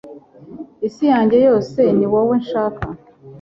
isi yanjye yose ni wowe nshaka